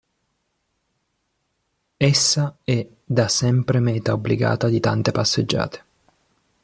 Essa è da sempre meta obbligata di tante passeggiate.